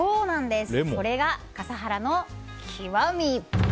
それが笠原の極み。